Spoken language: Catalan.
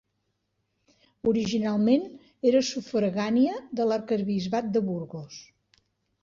Originalment era sufragània de l'arquebisbat de Burgos.